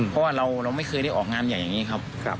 เพราะว่าเราไม่เคยได้ออกงานใหญ่อย่างนี้ครับ